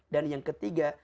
dan yang ketiga